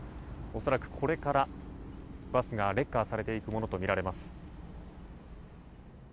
恐らくこれから、バスがレッカーされていくものとみられます。